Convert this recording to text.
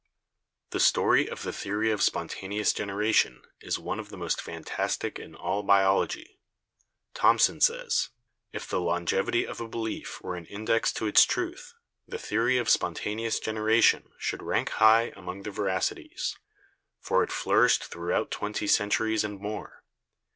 The story of the theory of spontaneous generation is one of the most fantastic in all biology. Thomson says: "If the longevity of a belief were an index to its' truth, the theory of spontaneous generation should rank high among* the veracities, for it flourished throughout twenty centuries and more.